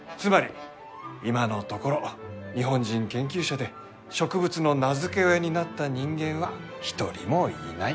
今のところ日本人研究者で植物の名付け親になった人間は一人もいない。